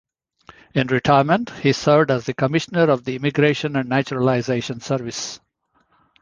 In retirement, he served as the Commissioner of the Immigration and Naturalization Service.